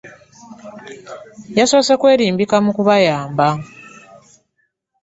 Yasoose kwerimbika mu kubayamba.